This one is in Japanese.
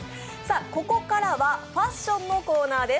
ここからはファッションのコーナーです。